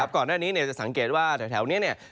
ก่อนหน้านี้จะสังเกตว่าแถวนี้เนี่ย